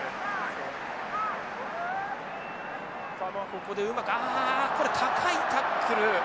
ここでうまくあこれ高いタックル。